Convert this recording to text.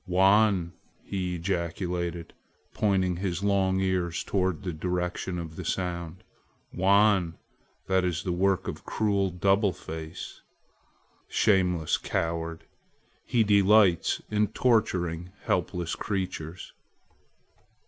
"Wan!" he ejaculated, pointing his long ears toward the direction of the sound; "Wan! that is the work of cruel Double Face. Shameless coward! he delights in torturing helpless creatures!"